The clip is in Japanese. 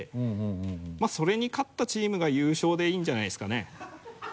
まぁそれに勝ったチームが優勝でいいんじゃないですかね？